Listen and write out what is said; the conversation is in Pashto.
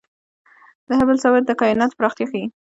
د هبل ثابت د کائناتو پراختیا ښيي.